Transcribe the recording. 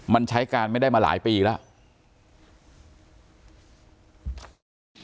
มันใช้การไม่ได้มาหลายปีแล้ว